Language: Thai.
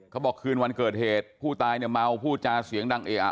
คืนวันเกิดเหตุผู้ตายเนี่ยเมาพูดจาเสียงดังเออะ